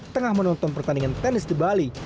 tengah menonton pertandingan tenis di bali